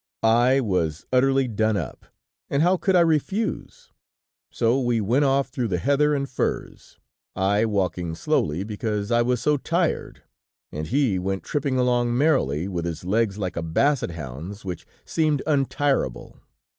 "I was utterly done up, and how could I refuse? So we went off through the heather and furze; I walking slowly because I was so tired, and he went tripping along merrily with his legs like a basset hound's, which seemed untirable.